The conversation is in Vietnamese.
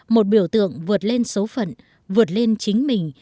một biểu tượng vượt lên số phận vượt lên chính mình